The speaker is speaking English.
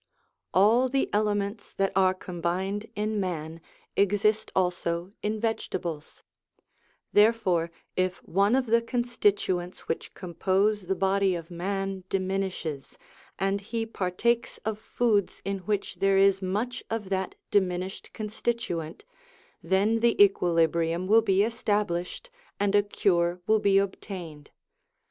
All the elements that are combined in man, exist also in vegetables ; therefore if one of the constituents which compose the body of man diminishes, and he partakes of foods in which there is much of that diminished constituent, then the equilibrium will be established, and a cure will be obtained.